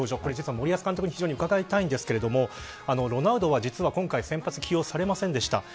森保監督に非常に伺いたいんですけどロナウドは今回、先発で起用されませんでした。